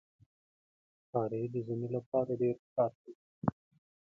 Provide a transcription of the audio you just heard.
ښکاري د ژمي لپاره ډېر ښکار کوي.